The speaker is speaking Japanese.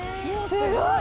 すごい！